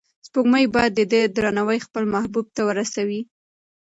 سپوږمۍ باید د ده درناوی خپل محبوب ته ورسوي.